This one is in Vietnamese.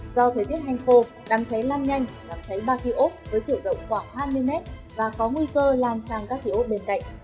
do thời tiết hành khô đám cháy lan nhanh đám cháy ba khi ốp với chiều rộng khoảng hai mươi m và có nguy cơ lan sang các khi ốp bên cạnh